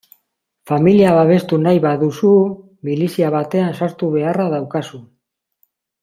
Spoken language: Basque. Familia babestu nahi baduzu, milizia batean sartu beharra daukazu.